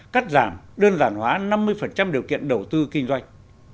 cắt giảm đơn giản hóa năm mươi điều kiện đầu tư kinh doanh